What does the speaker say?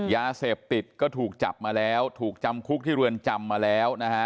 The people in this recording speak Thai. ยาเสพติดก็ถูกจับมาแล้วถูกจำคุกที่เรือนจำมาแล้วนะฮะ